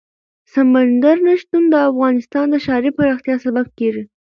سمندر نه شتون د افغانستان د ښاري پراختیا سبب کېږي.